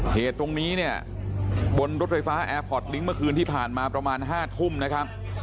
เหตุตรงนี้เนี่ยบนรถไฟฟ้าแอร์พอร์ตลิงค์เมื่อคืนที่ผ่านมาประมาณ๕ทุ่มนะครับ